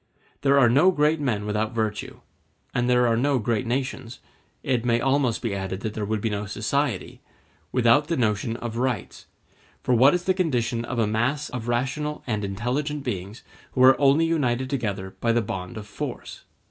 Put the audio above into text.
There are no great men without virtue, and there are no great nations—it may almost be added that there would be no society—without the notion of rights; for what is the condition of a mass of rational and intelligent beings who are only united together by the bond of force?